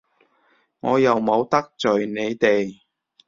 我又冇得罪你哋！